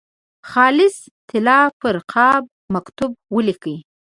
خالصې طلا پر قاب مکتوب ولیکم.